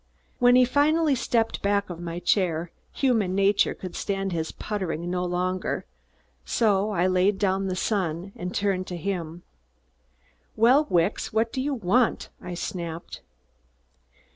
When he finally stepped back of my chair, human nature could stand his puttering no longer, so I laid down The Sun, and turned to him. "Well, Wicks, what do you want?" I snapped.